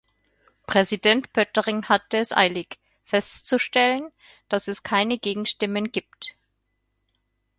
Präsident Pöttering hatte es eilig, festzustellen, dass es keine Gegenstimmen gibt.